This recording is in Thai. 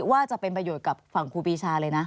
ว่าจะเป็นประโยชน์กับฝั่งครูปีชาเลยนะ